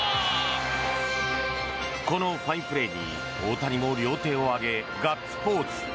このファインプレーに、大谷も両手を上げガッツポーズ。